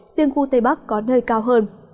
riêng khu tây bắc có nơi cao hơn